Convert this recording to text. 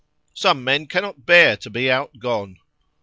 Some men cannot bear to be out gone.